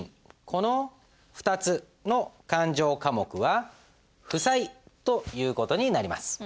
この２つの勘定科目は負債という事になります。